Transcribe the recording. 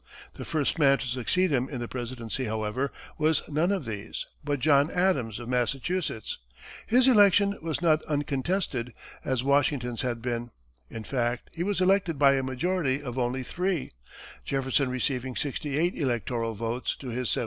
The first man to succeed him in the presidency, however, was none of these, but John Adams of Massachusetts. His election was not uncontested, as Washington's had been; in fact, he was elected by a majority of only three, Jefferson receiving 68 electoral votes to his 71.